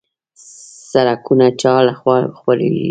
سړکونه چا لخوا جوړیږي؟